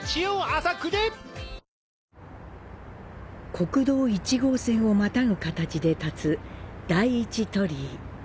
国道１号線を跨ぐ形で建つ「第一鳥居」。